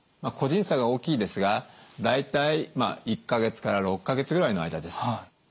個人差が大きいですが大体１か月から６か月ぐらいの間です。